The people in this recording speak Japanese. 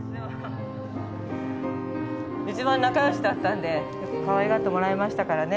一番仲よしだったんでかわいがってもらいましたからね。